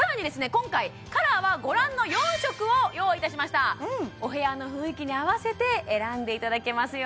今回カラーはご覧の４色を用意いたしましたお部屋の雰囲気に合わせて選んでいただけますよ